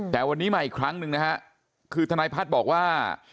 แต่วันนี้มาอีกครั้งหนึ่งนะฮะคือทนายพัฒน์บอกว่า